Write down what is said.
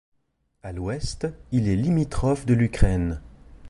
À l’ouest il est limitrophe de l’Ukraine.